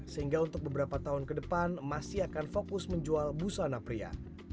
sehingga untuk beberapa tahun ke depan masih akan fokus menjual busana pria